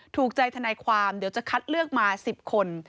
ถูกใจทนายความเดี๋ยวจะคัดเลือกมา๑๐คน